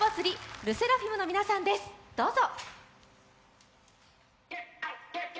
ＬＥＳＳＥＲＡＦＩＭの皆さんです、どうぞ。